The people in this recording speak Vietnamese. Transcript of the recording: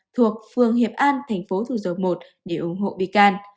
thuộc phường hiệp an thành phố thủ dầu một để ủng hộ bị can